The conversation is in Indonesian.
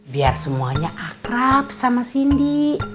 biar semuanya akrab sama cindy